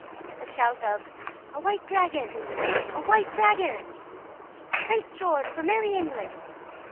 The shout of "A white dragon!—a white dragon!—Saint George for merry England!"